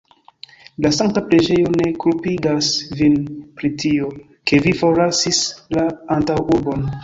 La sankta preĝejo ne kulpigas vin pri tio, ke vi forlasis la antaŭurbon.